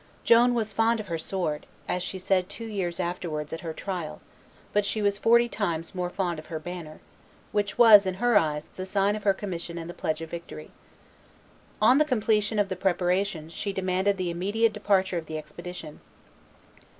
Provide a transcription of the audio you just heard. Joan was fond of her sword, as she said two years afterwards at her trial, but she was forty times more fond of her banner, which was, in her eyes, the sign of her commission and the pledge of victory. On the completion of the preparations she demanded the immediate departure of the expedition.